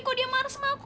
kok dia marah sama aku